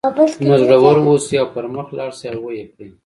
نو زړور اوسئ او پر مخ لاړ شئ او ویې کړئ